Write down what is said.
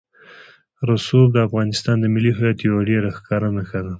رسوب د افغانستان د ملي هویت یوه ډېره ښکاره نښه ده.